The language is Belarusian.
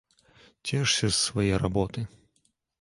Цешся з свае работы!